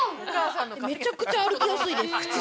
めちゃくちゃ歩きやすいです。